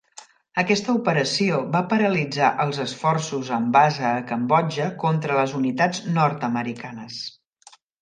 Aquesta operació va paralitzar els esforços amb base a Cambodja contra les unitats nord-americanes.